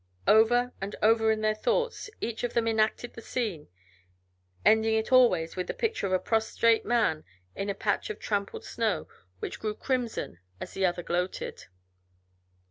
Over and over in their thoughts each of them enacted the scene, ending it always with the picture of a prostrate man in a patch of trampled snow which grew crimson as the other gloated.